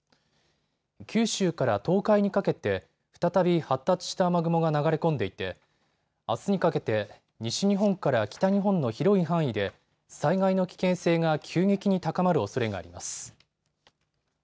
九州から東海にかけて再び発達した雨雲が流れ込んでいてあすにかけて西日本から北日本の広い範囲で災害の危険性が急激に高まるおそれがあります。